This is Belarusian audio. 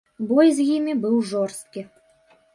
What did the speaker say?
Бой з імі быў жорсткі.